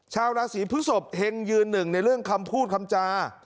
ชาวราศีพฤศพเฮงยืนหนึ่งในเรื่องคำพูดคำจา